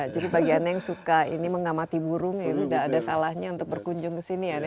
jadi bagian yang suka ini mengamati burung ini tidak ada salahnya untuk berkunjung ke sini ya